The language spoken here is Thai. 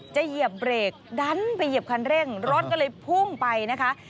เหยียบเบรกดันไปเหยียบคันเร่งรถก็เลยพุ่งไปนะคะ